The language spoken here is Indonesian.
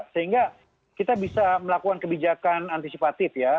sehingga kita bisa melakukan kebijakan antisipatif ya